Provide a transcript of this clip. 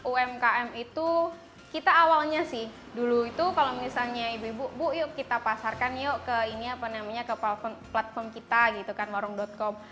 umkm itu kita awalnya sih dulu itu kalau misalnya ibu ibu bu yuk kita pasarkan yuk ke ini apa namanya ke platform kita gitu kan warung com